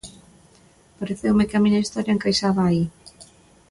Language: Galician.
Pareceume que a miña historia encaixaba aí.